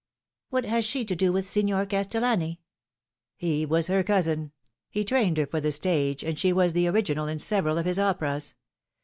" What has she to do with Signer Castellani ?"" He was her cousin. He trained her for the stage, and she was the original in several of his operas.